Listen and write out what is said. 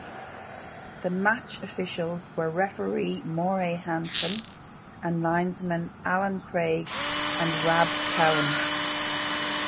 The match officials were referee Moray Hanson and linesmen Alan Craig and Rab Cowan.